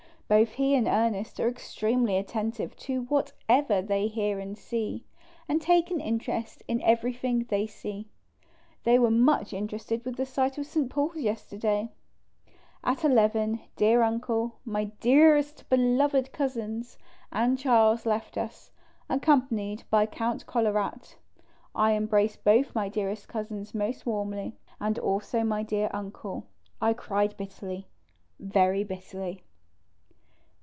Both he and Ernest are extremely attentive to whatever they hear and see, and take interest in ever3^thing they see. They were much interested with the sight of St. Paul's yesterday. At II dear Uncle, my dearest beloved Cousins, and Charles left us, accompanied by Count Kolowrat. I embraced both my dearest Cousins most warmly, as also my dear Uncle. I cried bitterly, very bitterly.